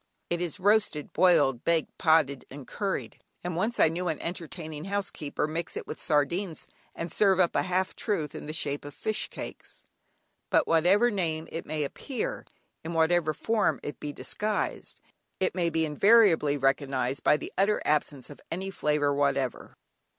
It is roasted, boiled, baked, potted, and curried, and once I knew an enterprising housekeeper mix it with sardines and serve up a half truth in the shape of "fish cakes." But under whatever name it may appear, in whatever form it be disguised, it may be invariably recognised by the utter absence of any flavour whatever.